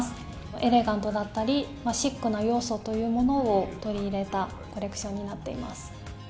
エレガントだったり、シックな要素というものを取り入れたコレクションになっています。